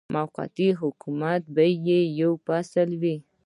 موقتي حکومت به یې یو فصل وي.